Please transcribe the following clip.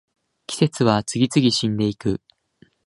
季節は次々死んでいく